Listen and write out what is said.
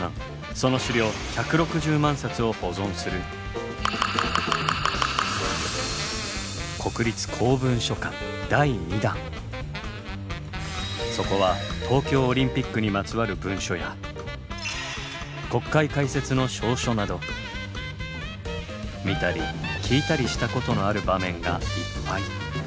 その資料１６０万冊を保存するそこは東京オリンピックにまつわる文書や国会開設の詔書など見たり聞いたりしたことのある場面がいっぱい。